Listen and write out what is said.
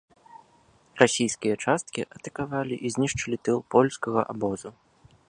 Расійскія часткі атакавалі і знішчылі тыл польскага абозу.